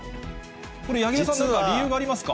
これ、柳楽さん、何か理由がありますか？